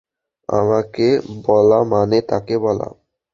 আমাকে বলা মানে তাকে বলা।